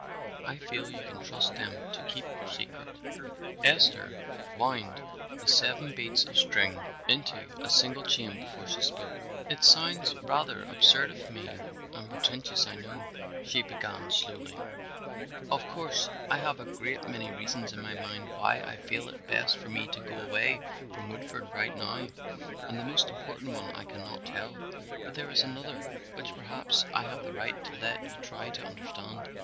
I feel you can trust them to keep your secret." Esther wound the seven strings of honor beads into a single chain before she spoke. "It sounds rather absurd of me and pretentious I know," she began slowly; "of course I have a great many reasons in my mind why I feel it best for me to go away from Woodford right now and the most important one I cannot tell, but there is another which perhaps I have the right to let you try to understand.